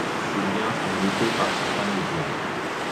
Ces liens sont notés par certains médias.